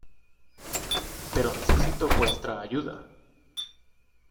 Pero necesito vuestra ayuda.